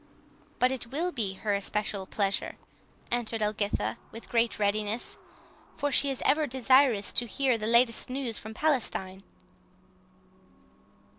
"But it will be her especial pleasure," answered Elgitha, with great readiness, "for she is ever desirous to hear the latest news from Palestine."